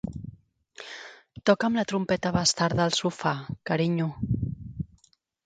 Toca'm la trompeta bastarda al sofà, carinyo.